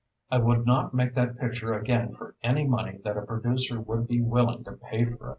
I would not make that picture again for any money that a producer would be willing to pay for it."